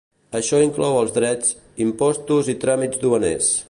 Això inclou els drets, impostos i tràmits duaners.